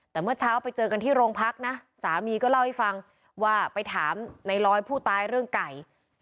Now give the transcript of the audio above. แต่เมื่อเช้าไปเจอกันที่โรงพักนะสามีก็เล่าให้ฟังว่าไปถามในรอยผู้ตายเรื่องไก่